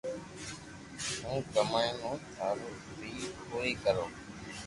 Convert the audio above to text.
ھون ڪمائي مون ٽاٻرو ري پوري ڪرو